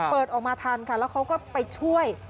เปิดออกมาทันค่ะแล้วเขาก็ไปช่วย